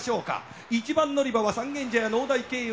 １番乗り場は三軒茶屋農大経由